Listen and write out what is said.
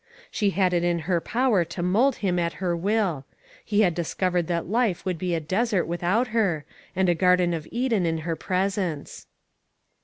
She had it in her power to mold him at her will. He had discovered that life would be a desert without her, and a Garden of Eden in her presence.